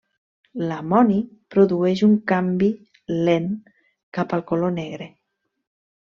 L'amoni produeix un canvi lent cap al color negre.